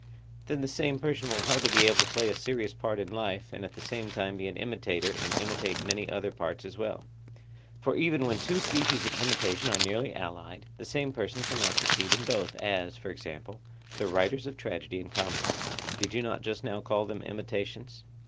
Then the same person will hardly be able to play a serious part in life, and at the same time to be an imitator and imitate many other parts as well; for even when two species of imitation are nearly allied, the same persons cannot succeed in both, as, for example, the writers of tragedy and comedy—did you not just now call them imitations?